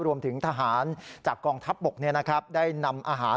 รวมถึงทหารจากกองทัพบกได้นำอาหาร